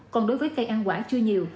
còn đối với cây ăn quả chưa nhiều